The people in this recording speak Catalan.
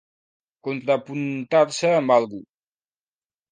Contrapuntar-se amb algú.